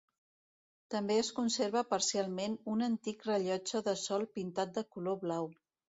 També es conserva parcialment un antic rellotge de sol pintat de color blau.